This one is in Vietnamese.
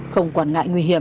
không quản ngại nguy hiểm